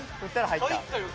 入ったよ